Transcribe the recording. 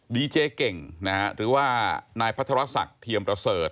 ดีเจเก่งนะฮะหรือว่านายพัทรศักดิ์เทียมประเสริฐ